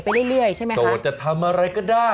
ไปเรื่อยใช่ไหมคะต่อจะทำอะไรก็ได้